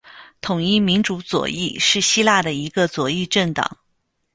统一民主左翼是希腊的一个左翼政党。